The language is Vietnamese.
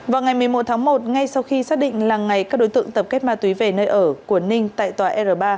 vào ngày một mươi một tháng một ngay sau khi xác định là ngày các đối tượng tập kết ma túy về nơi ở của ninh tại tòa r ba